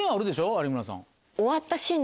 有村さん。